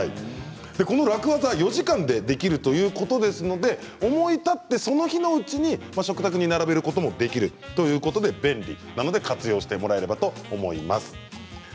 この楽ワザ、４時間でできるということですので思い立ってその日のうちに食卓に並べることもできるということで便利なので活用してもらえればと思います。